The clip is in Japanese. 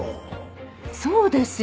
そうですよ。